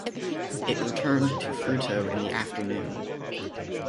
It returned to Fruto in the afternoon.